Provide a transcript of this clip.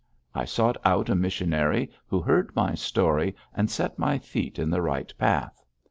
I sought out a missionary, who heard my story and set my feet in the right path.